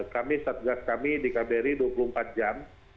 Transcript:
kami satgas kami di kbri dua puluh empat jam